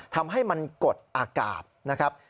ทำให้มันกดอากาศนะครับ